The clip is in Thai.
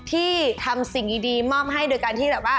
ที่ทำสิ่งดีมอบให้โดยการที่แบบว่า